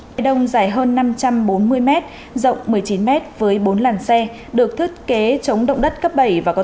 cây đông dài hơn năm trăm bốn mươi m rộng một mươi chín m với bốn làn xe được thiết kế chống động đất cấp bảy và cấp tám